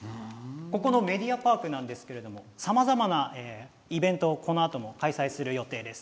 ここのメディアパークなんですがさまざまなイベントをこのあとも開催する予定です。